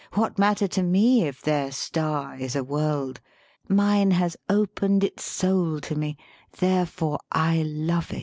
What matter to me if their star is a world? Mine has opened its soul to me; therefore I love it."